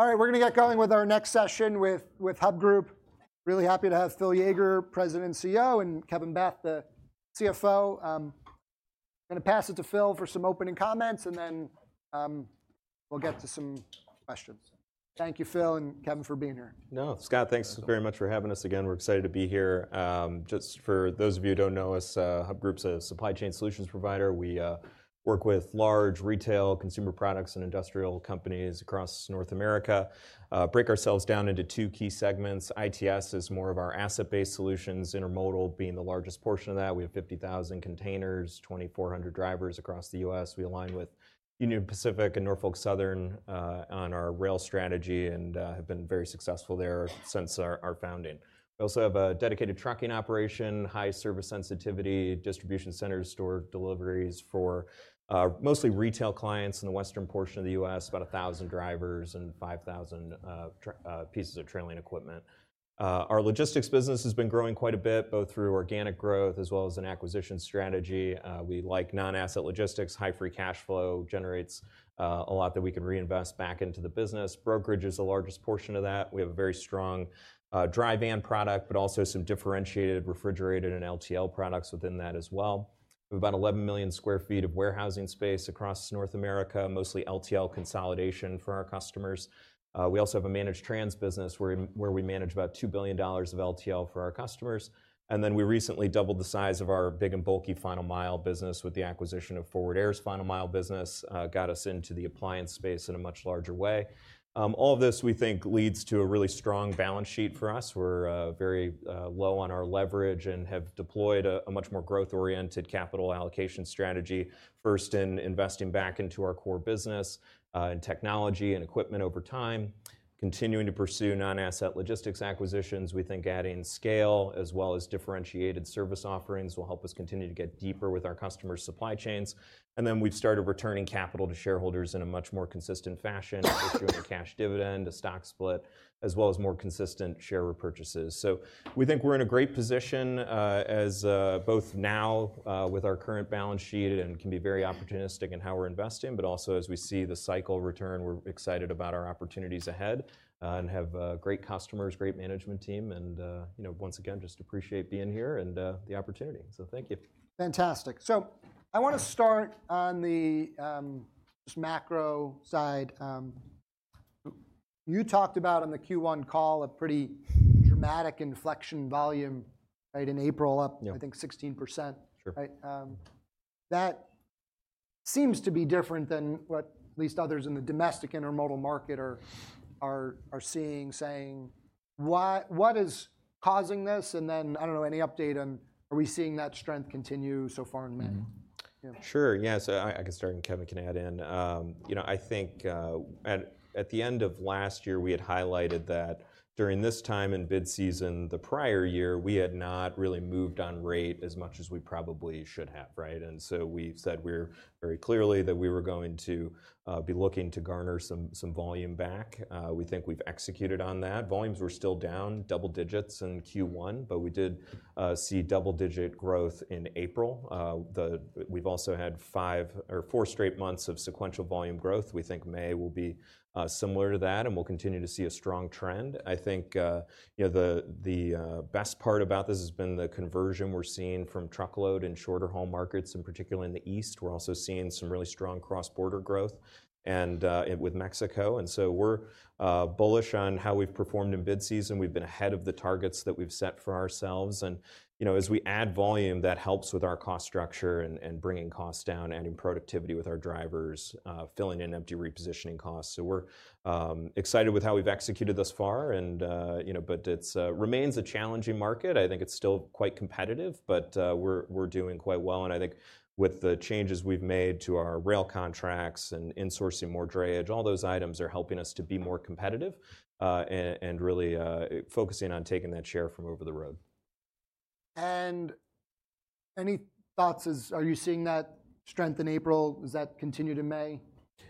Okay. All right, we're gonna get going with our next session with Hub Group. Really happy to have Phil Yeager, President and CEO, and Kevin Beth, the CFO. Gonna pass it to Phil for some opening comments, and then we'll get to some questions. Thank you, Phil and Kevin, for being here. No, Scott, thanks very much for having us again. We're excited to be here. Just for those of you who don't know us, Hub Group's a supply chain solutions provider. We work with large retail, consumer products, and industrial companies across North America. Break ourselves down into two key segments. ITS is more of our asset-based solutions, intermodal being the largest portion of that. We have 50,000 containers, 2,400 drivers across the U.S. We align with Union Pacific and Norfolk Southern on our rail strategy, and have been very successful there since our founding. We also have a dedicated trucking operation, high service sensitivity, distribution centers, store deliveries for mostly retail clients in the western portion of the U.S. About 1,000 drivers and 5,000 pieces of trailing equipment. Our logistics business has been growing quite a bit, both through organic growth as well as an acquisition strategy. We like non-asset logistics. High free cash flow generates a lot that we can reinvest back into the business. Brokerage is the largest portion of that. We have a very strong dry van product, but also some differentiated refrigerated and LTL products within that as well. We have about 11 million sq ft of warehousing space across North America, mostly LTL consolidation for our customers. We also have a managed trans business, where we manage about $2 billion of LTL for our customers. And then, we recently doubled the size of our big and bulky Final Mile business with the acquisition of Forward Air's Final Mile business. Got us into the appliance space in a much larger way. All of this, we think, leads to a really strong balance sheet for us. We're very low on our leverage and have deployed a much more growth-oriented capital allocation strategy. First, in investing back into our core business, in technology and equipment over time. Continuing to pursue non-asset logistics acquisitions, we think adding scale as well as differentiated service offerings will help us continue to get deeper with our customers' supply chains. And then, we've started returning capital to shareholders in a much more consistent fashion, issuing a cash dividend, a stock split, as well as more consistent share repurchases. So we think we're in a great position, as both now, with our current balance sheet, and can be very opportunistic in how we're investing. But also, as we see the cycle return, we're excited about our opportunities ahead. And have great customers, great management team, and, you know, once again, just appreciate being here and the opportunity, so thank you. Fantastic. So I wanna start on the just macro side. You talked about on the Q1 call a pretty dramatic inflection volume, right, in April- Yeah. - up, I think, 16%. Sure. Right? That seems to be different than what at least others in the domestic intermodal market are seeing, saying. Why? What is causing this? And then, I don't know, any update on, are we seeing that strength continue so far in May? Mm-hmm. Yeah. Sure, yeah, so I can start, and Kevin can add in. You know, I think at the end of last year, we had highlighted that during this time in bid season, the prior year, we had not really moved on rate as much as we probably should have, right? And so we said we're very clearly that we were going to be looking to garner some volume back. We think we've executed on that. Volumes were still down double digits in Q1, but we did see double-digit growth in April. We've also had five or four straight months of sequential volume growth. We think May will be similar to that, and we'll continue to see a strong trend. I think, you know, the best part about this has been the conversion we're seeing from truckload and shorter haul markets, and particularly in the East. We're also seeing some really strong cross-border growth and with Mexico, and so we're bullish on how we've performed in bid season. We've been ahead of the targets that we've set for ourselves, and, you know, as we add volume, that helps with our cost structure, and bringing costs down, adding productivity with our drivers, filling in empty repositioning costs. So we're excited with how we've executed thus far, and, you know, but it remains a challenging market. I think it's still quite competitive, but we're doing quite well, and I think with the changes we've made to our rail contracts and insourcing more drayage, all those items are helping us to be more competitive, and really focusing on taking that share from over the road. Any thoughts? Are you seeing that strength in April? Does that continue to May?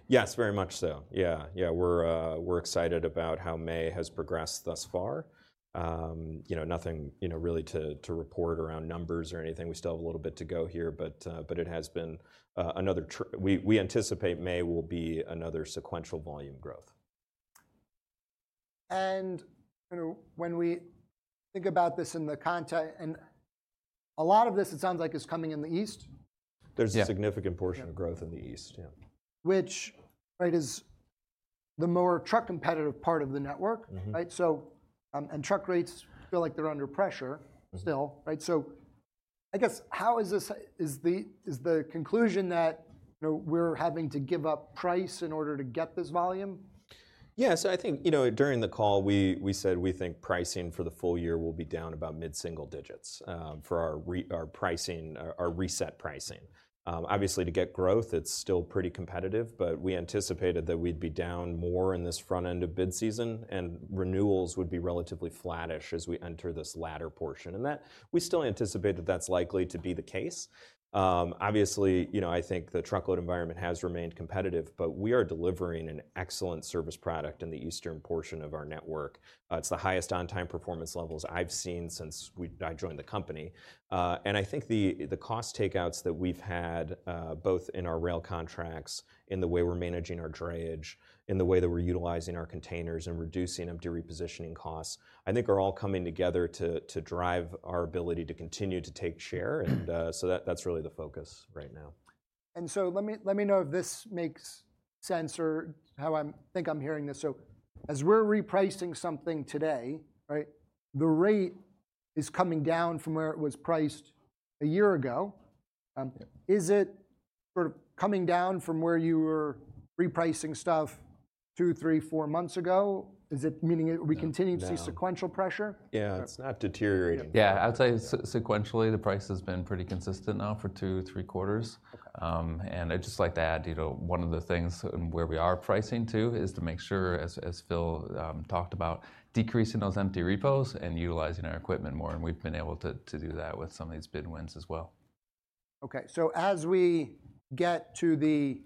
Yes, very much so. Yeah, yeah, we're, we're excited about how May has progressed thus far. You know, nothing, you know, really to report around numbers or anything. We still have a little bit to go here, but, but it has been another. We, we anticipate May will be another sequential volume growth. You know, when we think about this in the context... And a lot of this, it sounds like, is coming in the East? Yeah. There's a significant portion of growth in the East, yeah. Which, right, is the more truck-competitive part of the network. Mm-hmm. Right? So, and truck rates feel like they're under pressure- Mm. Still, right? So I guess, how is this the conclusion that, you know, we're having to give up price in order to get this volume? Yeah, so I think, you know, during the call, we said we think pricing for the full year will be down about mid-single digits for our reset pricing. Obviously, to get growth, it's still pretty competitive, but we anticipated that we'd be down more in this front end of bid season, and renewals would be relatively flattish as we enter this latter portion. And that, we still anticipate that that's likely to be the case. Obviously, you know, I think the truckload environment has remained competitive, but we are delivering an excellent service product in the eastern portion of our network. It's the highest on-time performance levels I've seen since I joined the company. And I think the cost takeouts that we've had, both in our rail contracts, in the way we're managing our drayage, in the way that we're utilizing our containers and reducing empty repositioning costs, I think are all coming together to drive our ability to continue to take share. And so that's really the focus right now.... and so let me know if this makes sense or how I think I'm hearing this. So as we're repricing something today, right, the rate is coming down from where it was priced a year ago. Is it sort of coming down from where you were repricing stuff two, three, four months ago? Is it meaning- No, no. We continue to see sequential pressure? Yeah, it's not deteriorating. Yeah, I would say sequentially, the price has been pretty consistent now for two, three quarters. And I'd just like to add, you know, one of the things, and where we are pricing, too, is to make sure as Phil talked about, decreasing those empty repos and utilizing our equipment more, and we've been able to do that with some of these bid wins as well. Okay, so as we get to the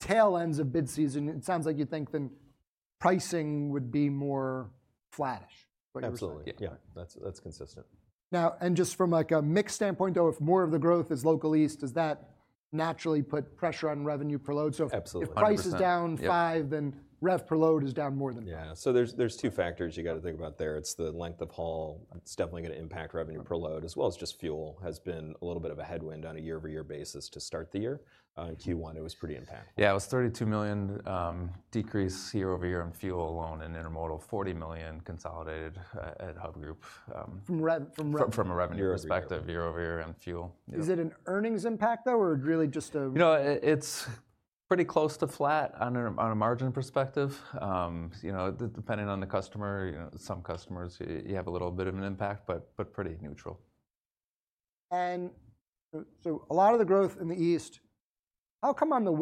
tail ends of bid season, it sounds like you think the pricing would be more flattish, is what you're saying? Absolutely. Yeah. Yeah, that's, that's consistent. Now, and just from, like, a mix standpoint, though, if more of the growth is local East, does that naturally put pressure on revenue per load? So- Absolutely. Hundred percent. If price is down five- Yeah... then rev per load is down more than five. Yeah, so there's two factors you've gotta think about there. It's the length of haul, it's definitely gonna impact revenue per load, as well as just fuel has been a little bit of a headwind on a year-over-year basis to start the year. In Q1, it was pretty impactful. Yeah, it was $32 million decrease year-over-year in fuel alone in Intermodal, $40 million consolidated at Hub Group. From revenue... from a revenue perspective- Year-over-year... year-over-year in fuel, yeah. Is it an earnings impact, though, or really just a- No, it's pretty close to flat on a margin perspective. You know, depending on the customer, you know, some customers, you have a little bit of an impact, but pretty neutral. So, a lot of the growth in the East. How come on the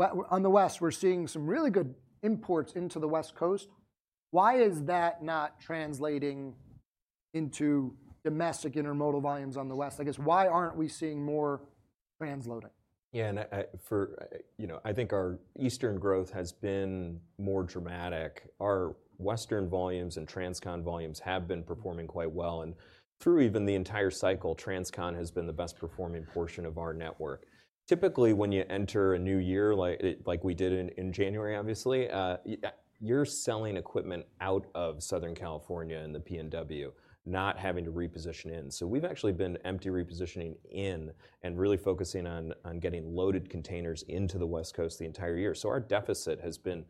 West, we're seeing some really good imports into the West Coast? Why is that not translating into domestic intermodal volumes on the West? I guess, why aren't we seeing more transloading? Yeah, and you know, I think our eastern growth has been more dramatic. Our western volumes and Transcon volumes have been performing quite well, and through even the entire cycle, Transcon has been the best performing portion of our network. Typically, when you enter a new year, like we did in January, obviously, you're selling equipment out of Southern California and the PNW, not having to reposition in. So we've actually been empty repositioning in, and really focusing on getting loaded containers into the West Coast the entire year. So our deficit has been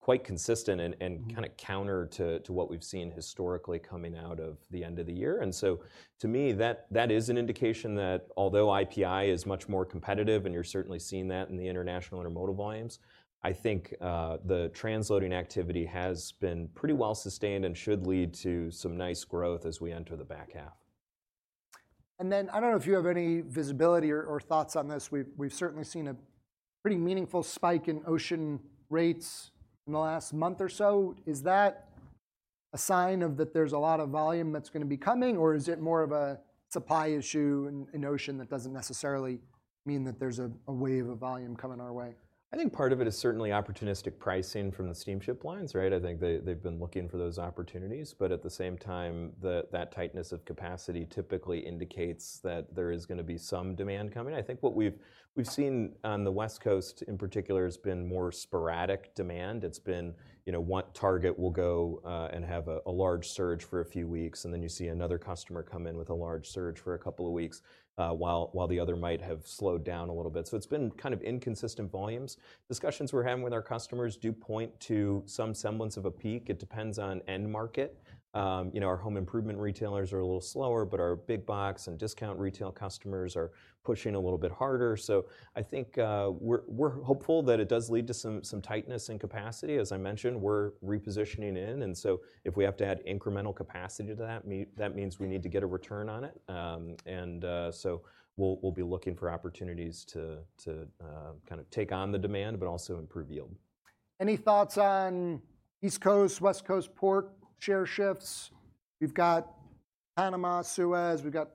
quite consistent and, and- Mm... kind of counter to what we've seen historically coming out of the end of the year. And so, to me, that is an indication that although IPI is much more competitive, and you're certainly seeing that in the international intermodal volumes, I think, the transloading activity has been pretty well sustained and should lead to some nice growth as we enter the back half. And then, I don't know if you have any visibility or thoughts on this. We've certainly seen a pretty meaningful spike in ocean rates in the last month or so. Is that a sign that there's a lot of volume that's gonna be coming, or is it more of a supply issue in ocean that doesn't necessarily mean that there's a wave of volume coming our way? I think part of it is certainly opportunistic pricing from the steamship lines, right? I think they, they've been looking for those opportunities, but at the same time, that tightness of capacity typically indicates that there is gonna be some demand coming. I think what we've seen on the West Coast in particular has been more sporadic demand. It's been, you know, one target will go and have a large surge for a few weeks, and then you see another customer come in with a large surge for a couple of weeks while the other might have slowed down a little bit. So it's been kind of inconsistent volumes. Discussions we're having with our customers do point to some semblance of a peak. It depends on end market. You know, our home improvement retailers are a little slower, but our big box and discount retail customers are pushing a little bit harder. So I think we're hopeful that it does lead to some tightness in capacity. As I mentioned, we're repositioning, and so if we have to add incremental capacity to that, that means we need to get a return on it. And so we'll be looking for opportunities to kind of take on the demand but also improve yield. Any thoughts on East Coast, West Coast port share shifts? We've got Panama, Suez, we've got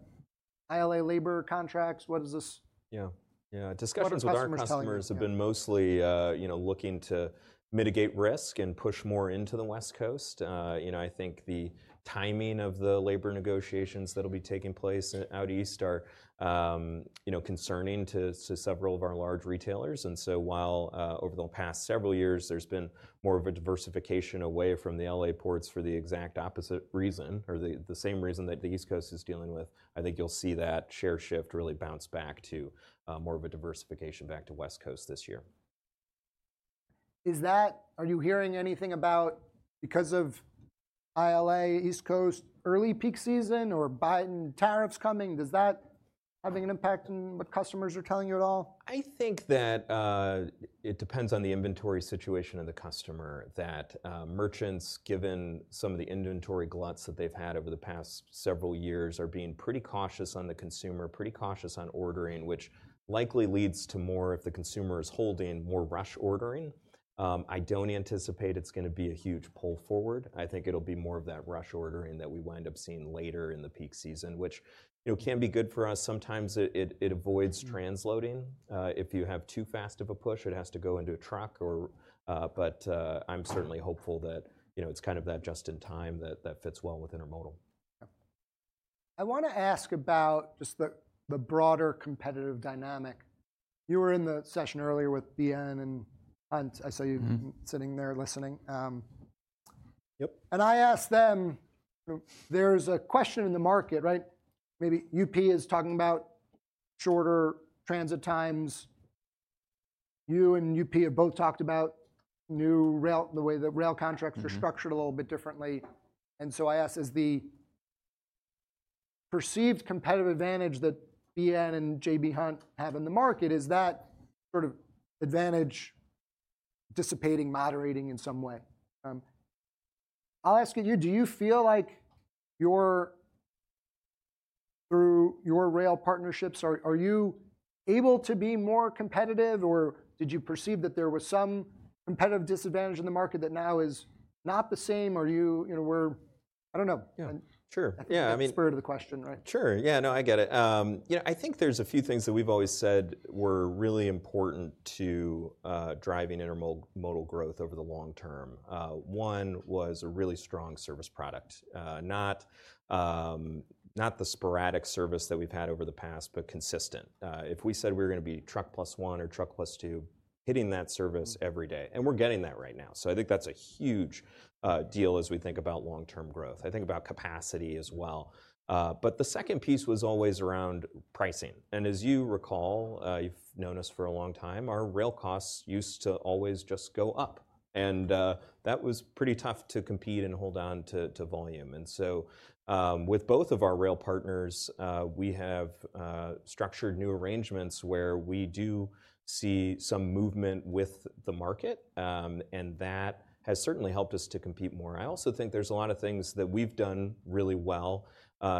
ILA labor contracts. What is this? Yeah, yeah. What are customers telling you? Discussions with our customers have been mostly, you know, looking to mitigate risk and push more into the West Coast. You know, I think the timing of the labor negotiations that'll be taking place out East are, you know, concerning to several of our large retailers. And so while over the past several years, there's been more of a diversification away from the LA ports for the exact opposite reason, or the same reason that the East Coast is dealing with, I think you'll see that share shift really bounce back to more of a diversification back to West Coast this year. Are you hearing anything about, because of ILA, East Coast, early peak season or Biden tariffs coming? Does that having an impact on what customers are telling you at all? I think that it depends on the inventory situation of the customer, that merchants, given some of the inventory gluts that they've had over the past several years, are being pretty cautious on the consumer, pretty cautious on ordering, which likely leads to more, if the consumer is holding, more rush ordering. I don't anticipate it's gonna be a huge pull forward. I think it'll be more of that rush ordering that we wind up seeing later in the peak season, which, you know, can be good for us. Sometimes it avoids transloading. If you have too fast of a push, it has to go into a truck or... But, I'm certainly hopeful that, you know, it's kind of that just in time that fits well with intermodal. Yep. I wanna ask about just the broader competitive dynamic. You were in the session earlier with BN, and I saw you- Mm-hmm... sitting there listening. Yep, and I asked them, there's a question in the market, right? Maybe UP is talking about shorter transit times. You and UP have both talked about new rail, the way the rail contracts- Mm are structured a little bit differently. And so I ask, is the perceived competitive advantage that BN and J.B. Hunt have in the market, is that sort of advantage dissipating, moderating in some way? I'll ask you: do you feel like you're, through your rail partnerships, are, are you able to be more competitive, or did you perceive that there was some competitive disadvantage in the market that now is not the same? Or you, you know, I don't know. Yeah, sure. Yeah, I mean- That's the spirit of the question, right? Sure. Yeah, no, I get it. You know, I think there's a few things that we've always said were really important to driving intermodal modal growth over the long term. One was a really strong service product. Not the sporadic service that we've had over the past, but consistent. If we said we were gonna be truck plus one or truck plus two, hitting that service every day, and we're getting that right now, so I think that's a huge deal as we think about long-term growth. I think about capacity as well. But the second piece was always around pricing, and as you recall, you've known us for a long time, our rail costs used to always just go up, and that was pretty tough to compete and hold on to volume. With both of our rail partners, we have structured new arrangements where we do see some movement with the market, and that has certainly helped us to compete more. I also think there's a lot of things that we've done really well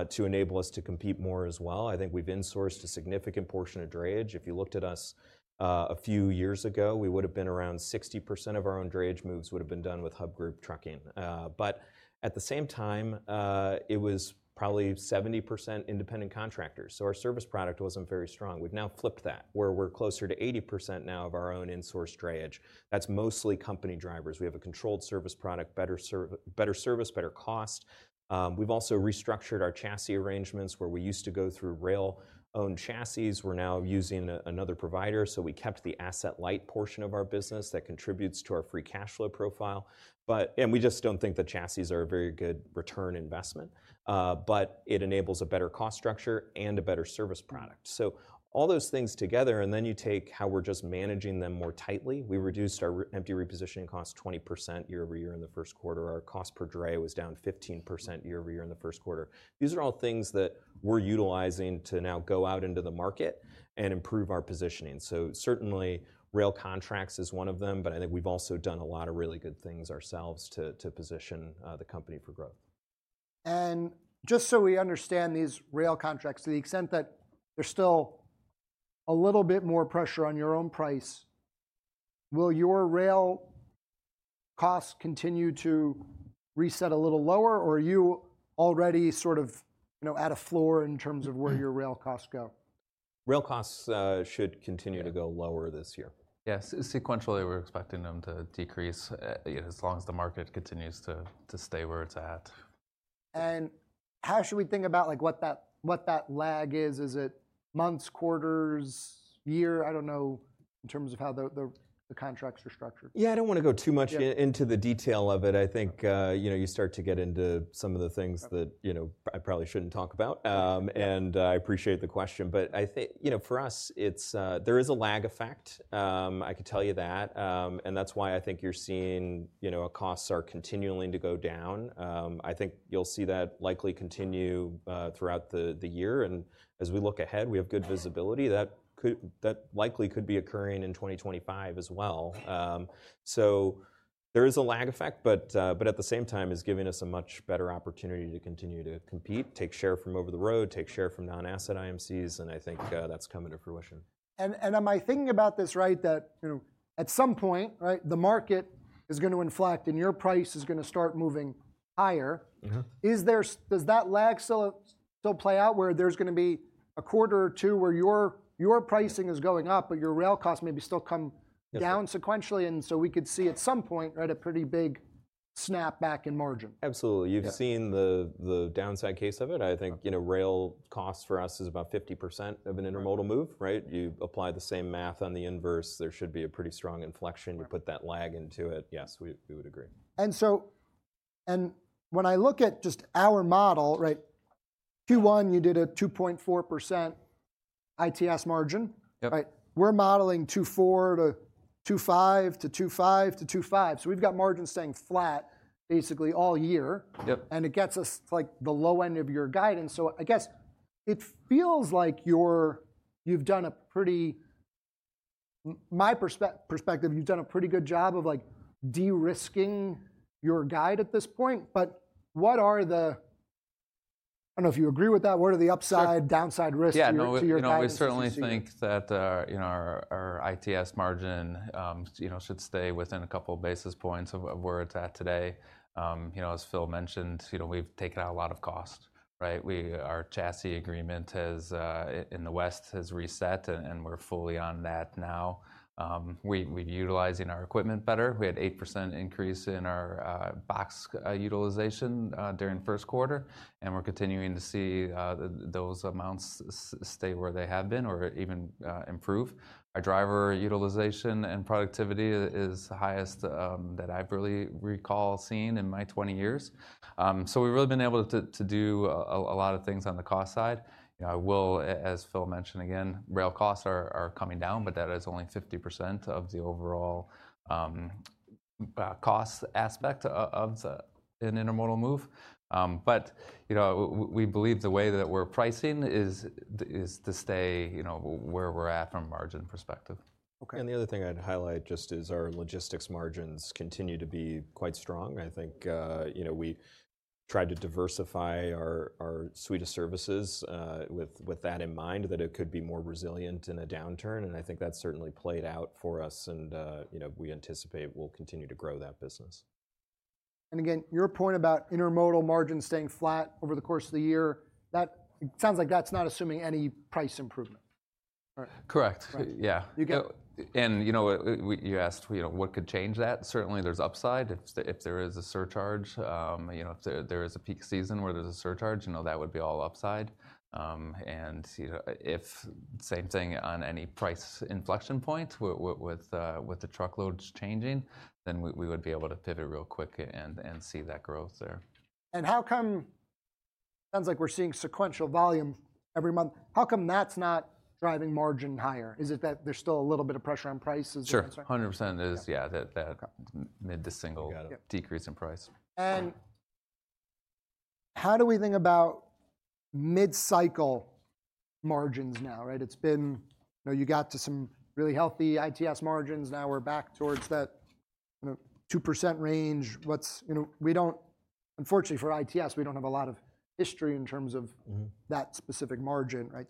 to enable us to compete more as well. I think we've insourced a significant portion of drayage. If you looked at us a few years ago, we would've been around 60% of our own drayage moves would've been done with Hub Group Trucking. But at the same time, it was probably 70% independent contractors, so our service product wasn't very strong. We've now flipped that, where we're closer to 80% now of our own insourced drayage. That's mostly company drivers. We have a controlled service product, better service, better cost. We've also restructured our chassis arrangements. Where we used to go through rail-owned chassis, we're now using another provider, so we kept the asset light portion of our business that contributes to our free cash flow profile. But we just don't think that chassis are a very good return investment, but it enables a better cost structure and a better service product. So all those things together, and then you take how we're just managing them more tightly. We reduced our empty repositioning costs 20% year-over-year in the first quarter. Our cost per dray was down 15% year-over-year in the first quarter. These are all things that we're utilizing to now go out into the market and improve our positioning. So certainly, rail contracts is one of them, but I think we've also done a lot of really good things ourselves to position the company for growth. Just so we understand these rail contracts, to the extent that there's still a little bit more pressure on your own price, will your rail costs continue to reset a little lower, or are you already sort of, you know, at a floor in terms of where your rail costs go? Rail costs should continue to go lower this year. Yes. Sequentially, we're expecting them to decrease, you know, as long as the market continues to stay where it's at. How should we think about, like, what that lag is? Is it months, quarters, year? I don't know, in terms of how the contracts are structured. Yeah, I don't wanna go too much- Yeah... into the detail of it. I think, you know, you start to get into some of the things that- Okay... you know, I probably shouldn't talk about. And I appreciate the question, but I think, you know, for us, it's, there is a lag effect, I could tell you that. And that's why I think you're seeing, you know, our costs are continuing to go down. I think you'll see that likely continue throughout the, the year, and as we look ahead, we have good visibility that could-- that likely could be occurring in 2025 as well. So there is a lag effect, but, but at the same time, it's giving us a much better opportunity to continue to compete, take share from over the road, take share from non-asset IMCs, and I think, that's coming to fruition. Am I thinking about this right, that, you know, at some point, right, the market is gonna inflect, and your price is gonna start moving higher? Mm-hmm. Does that lag still play out, where there's gonna be a quarter or two where your pricing is going up, but your rail costs maybe still come- Yes... down sequentially, and so we could see at some point, right, a pretty big snapback in margin? Absolutely. Yeah. You've seen the downside case of it. Yeah. I think, you know, rail cost for us is about 50% of an intermodal move, right? You apply the same math on the inverse, there should be a pretty strong inflection. Yeah. You put that lag into it, yes, we, we would agree. And so, when I look at just our model, right, Q1, you did a 2.4% ITS margin. Yep. Right? We're modeling 2.4-2.5,-2.5,-2.5, so we've got margins staying flat basically all year. Yep. It gets us to, like, the low end of your guidance, so I guess it feels like you're... You've done a pretty... my perspective, you've done a pretty good job of, like, de-risking your guide at this point, but what are the... I don't know if you agree with that. What are the upside- Sure... downside risks. Yeah, no-... to your guidance? You know, we certainly think that, you know, our ITS margin should stay within a couple basis points of where it's at today. You know, as Phil mentioned, you know, we've taken out a lot of cost, right? Our chassis agreement has in the West reset, and we're fully on that now. We're utilizing our equipment better. We had 8% increase in our box utilization during first quarter, and we're continuing to see those amounts stay where they have been or even improve. Our driver utilization and productivity is the highest that I've really recall seeing in my 20 years. So we've really been able to do a lot of things on the cost side. You know, as Phil mentioned again, rail costs are coming down, but that is only 50% of the overall cost aspect of an intermodal move. But, you know, we believe the way that we're pricing is to stay, you know, where we're at from a margin perspective. Okay. The other thing I'd highlight just is our logistics margins continue to be quite strong. I think, you know, we tried to diversify our suite of services, with that in mind, that it could be more resilient in a downturn, and I think that's certainly played out for us, and, you know, we anticipate we'll continue to grow that business. Again, your point about intermodal margins staying flat over the course of the year, that... sounds like that's not assuming any price improvement, right? Correct. Right. Yeah. You get- You know, you asked, you know, what could change that? Certainly, there's upside if there is a surcharge. You know, if there is a peak season where there's a surcharge, you know, that would be all upside. And, you know, same thing on any price inflection point with the truckloads changing, then we would be able to pivot real quick and see that growth there. How come... Sounds like we're seeing sequential volume every month. How come that's not driving margin higher? Is it that there's still a little bit of pressure on prices or is that- Sure, 100% it is. Yeah. Yeah, that- Okay... mid- to single- You got it.... decrease in price. How do we think about mid-cycle margins now, right? It's been... You know, you got to some really healthy ITS margins, now we're back towards that, you know, 2% range. What's... You know, we don't, unfortunately for ITS, we don't have a lot of history in terms of- Mm-hmm ...that specific margin, right?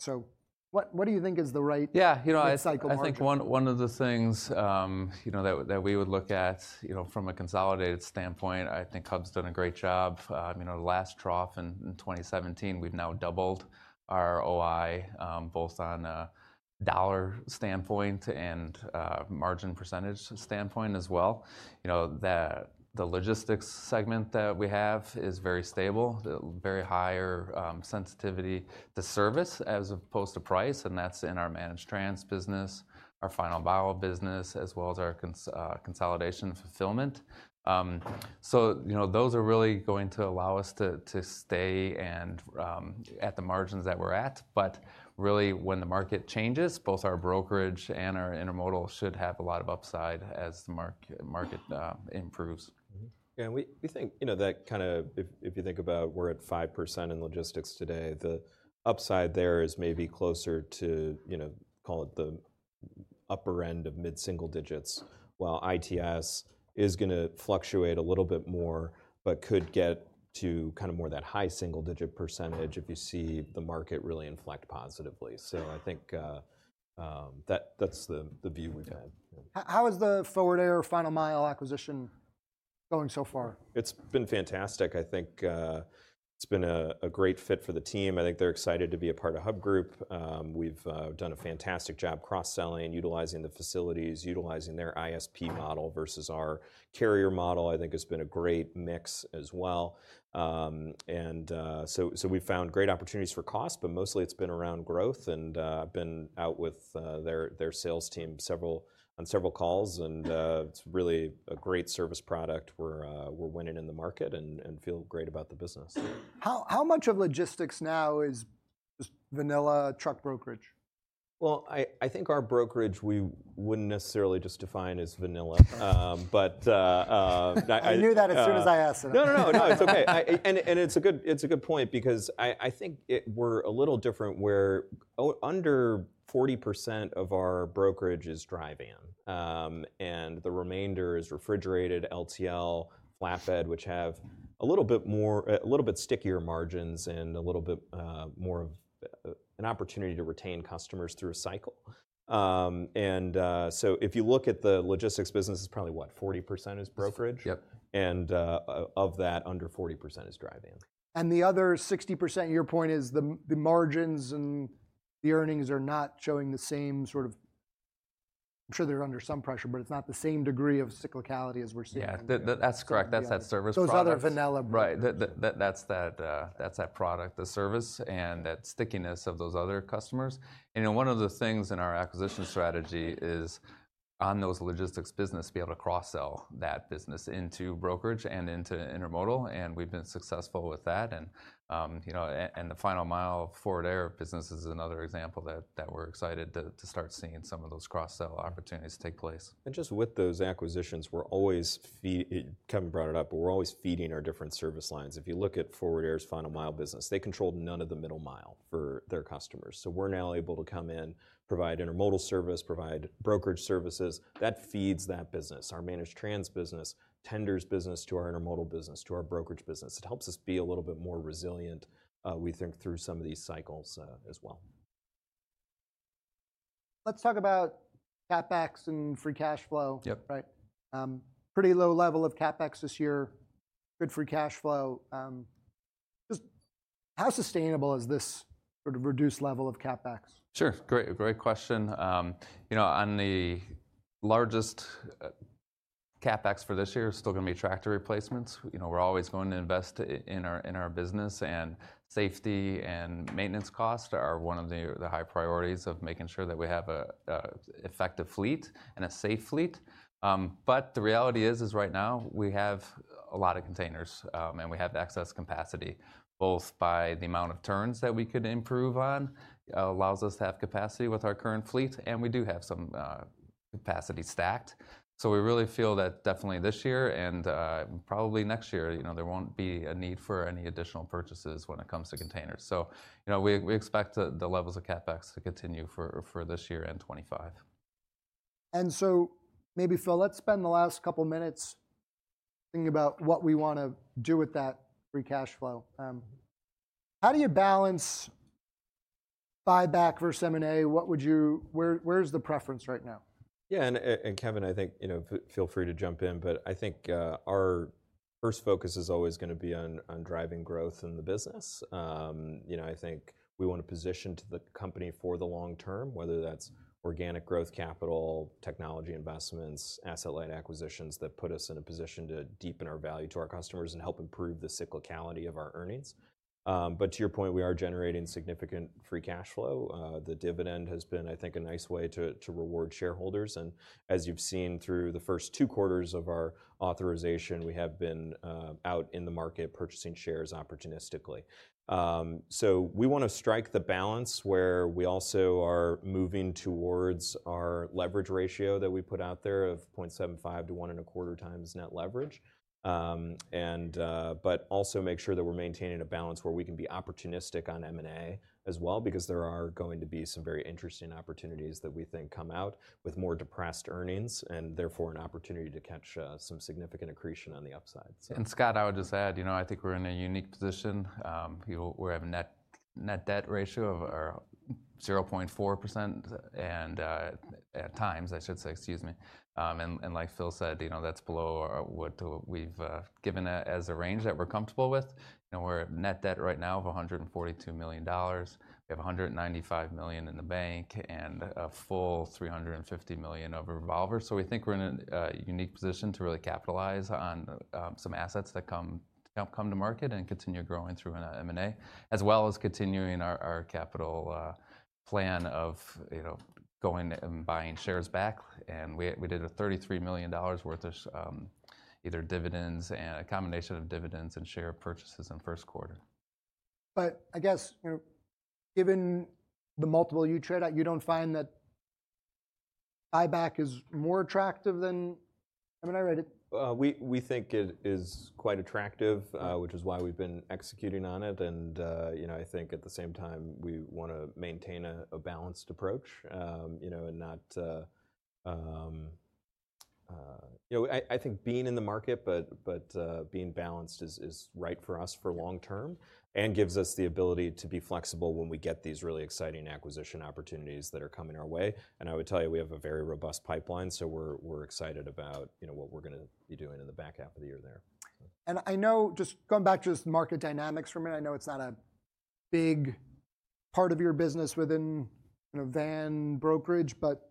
So what do you think is the right- Yeah, you know,... mid-cycle margin? I think one of the things, you know, that that we would look at, you know, from a consolidated standpoint, I think Hub's done a great job. You know, the last trough in 2017, we've now doubled our OI, both on a dollar standpoint and margin percentage standpoint as well. You know, the logistics segment that we have is very stable, the very high sensitivity to service as opposed to price, and that's in our managed transport business, our Final Mile business, as well as our consolidation fulfillment. So, you know, those are really going to allow us to stay at the margins that we're at. But really, when the market changes, both our brokerage and our intermodal should have a lot of upside as the market improves. Mm-hmm. And we think, you know, that kind of... if you think about we're at 5% in logistics today, the upside there is maybe closer to, you know, call it the upper end of mid-single digits, while ITS is gonna fluctuate a little bit more, but could get to kind of more that high single-digit % if you see the market really inflect positively. So I think, that that's the view we've had. How is the Forward Air Final Mile acquisition going so far? It's been fantastic. I think it's been a great fit for the team. I think they're excited to be a part of Hub Group. We've done a fantastic job cross-selling and utilizing the facilities, utilizing their ISP model versus our carrier model. I think it's been a great mix as well. And we've found great opportunities for cost, but mostly it's been around growth and been out with their sales team on several calls, and it's really a great service product. We're winning in the market and feel great about the business. How much of logistics now is just vanilla truck brokerage? Well, I think our brokerage, we wouldn't necessarily just define as vanilla. But, I- I knew that as soon as I asked it. No, no, no. No, it's okay. And, it's a good point because I think we're a little different. We're under 40% of our brokerage dry van, and the remainder is refrigerated LTL, flatbed, which have a little bit more, a little bit stickier margins and a little bit more of an opportunity to retain customers through a cycle. So if you look at the logistics business, it's probably, what, 40% is brokerage? Yep. And, of that, under 40% is dry van. And the other 60%, your point is, the margins and the earnings are not showing the same sort of... I'm sure they're under some pressure, but it's not the same degree of cyclicality as we're seeing- Yeah, that's correct. Yeah. That's that service product. Those other vanilla- Right. That's that product, the service, and that stickiness of those other customers. You know, one of the things in our acquisition strategy is, on those logistics business, be able to cross-sell that business into brokerage and into intermodal, and we've been successful with that. And, you know, and the Final Mile of Forward Air business is another example that we're excited to start seeing some of those cross-sell opportunities take place. And just with those acquisitions, we're always feeding our different service lines. If you look at Forward Air's Final Mile business, they controlled none of the middle mile for their customers. So we're now able to come in, provide intermodal service, provide brokerage services. That feeds that business. Our managed trans business tenders business to our intermodal business, to our brokerage business. It helps us be a little bit more resilient, we think, through some of these cycles, as well. Let's talk about CapEx and Free Cash Flow. Yep. Right. Pretty low level of CapEx this year. Good Free Cash Flow. Just how sustainable is this sort of reduced level of CapEx? Sure. Great, great question. You know, on the largest CapEx for this year is still gonna be tractor replacements. You know, we're always going to invest in our business, and safety and maintenance cost are one of the high priorities of making sure that we have a effective fleet and a safe fleet. But the reality is right now we have a lot of containers, and we have excess capacity, both by the amount of turns that we could improve on allows us to have capacity with our current fleet, and we do have some capacity stacked. So we really feel that definitely this year, and probably next year, you know, there won't be a need for any additional purchases when it comes to containers. So, you know, we expect the levels of CapEx to continue for this year and 2025. And so, maybe, Phil, let's spend the last couple minutes thinking about what we wanna do with that Free Cash Flow. How do you balance buyback versus M&A? What would you... Where, where's the preference right now? Yeah, and Kevin, I think, you know, feel free to jump in, but I think, our first focus is always gonna be on driving growth in the business. You know, I think we wanna position to the company for the long term, whether that's organic growth capital, technology investments, asset-light acquisitions that put us in a position to deepen our value to our customers and help improve the cyclicality of our earnings. But to your point, we are generating significant free cash flow. The dividend has been, I think, a nice way to reward shareholders. And as you've seen through the first two quarters of our authorization, we have been out in the market purchasing shares opportunistically. So we wanna strike the balance where we also are moving towards our leverage ratio that we put out there of 0.75-1.25 times net leverage. But also make sure that we're maintaining a balance where we can be opportunistic on M&A as well, because there are going to be some very interesting opportunities that we think come out with more depressed earnings, and therefore an opportunity to catch some significant accretion on the upside, so- Scott, I would just add, you know, I think we're in a unique position. You know, we have net, net debt ratio of 0.4%, and at times, I should say, excuse me. And like Phil said, you know, that's below our what we've given as a range that we're comfortable with. We're at net debt right now of $142 million. We have $195 million in the bank and a full $350 million of revolver. So we think we're in a unique position to really capitalize on some assets that come to market and continue growing through M&A, as well as continuing our capital plan of, you know, going and buying shares back. We did $33 million worth of either dividends and a combination of dividends and share purchases in first quarter. But I guess, you know, given the multiple you trade at, you don't find that buyback is more attractive than... I mean, I read it. We think it is quite attractive, which is why we've been executing on it. You know, I think at the same time, we wanna maintain a balanced approach, you know, and not... You know, I think being in the market, but being balanced is right for us for long term and gives us the ability to be flexible when we get these really exciting acquisition opportunities that are coming our way. I would tell you, we have a very robust pipeline, so we're excited about, you know, what we're gonna be doing in the back half of the year there. I know, just going back to just market dynamics for a minute, I know it's not a big part of your business within, you know, van brokerage, but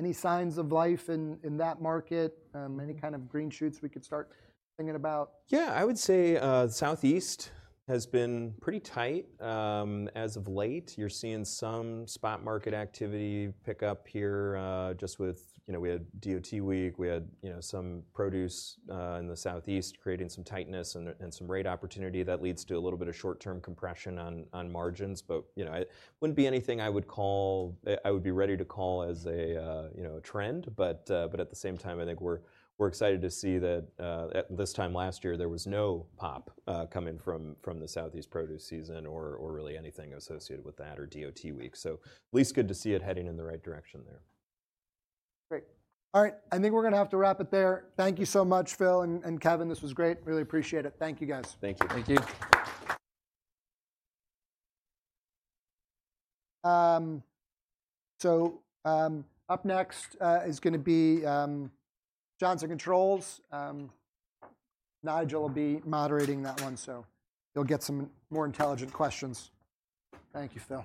any signs of life in that market? Any kind of green shoots we could start thinking about? Yeah, I would say, the Southeast has been pretty tight, as of late. You're seeing some spot market activity pick up here, just with, you know, we had DOT Week, we had, you know, some produce, in the Southeast creating some tightness and, and some rate opportunity that leads to a little bit of short-term compression on, on margins. But, you know, it wouldn't be anything I would call... I, I would be ready to call as a, you know, a trend. But, but at the same time, I think we're, we're excited to see that, at this time last year, there was no pop, coming from, from the Southeast produce season or, or really anything associated with that or DOT Week. So at least good to see it heading in the right direction there. Great. All right, I think we're gonna have to wrap it there. Thank you so much, Phil and Kevin. This was great. Really appreciate it. Thank you, guys. Thank you. Thank you. So, up next is gonna be Johnson Controls. Nigel will be moderating that one, so you'll get some more intelligent questions. Thank you, Phil.